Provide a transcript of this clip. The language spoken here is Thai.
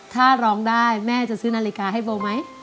ถ้าร้องได้แม่จะซื้อนาฬิกาให้โบไหม